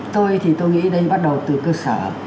tôi thì tôi nghĩ đây bắt đầu từ cơ sở